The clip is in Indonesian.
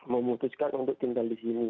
memutuskan untuk tinggal di sini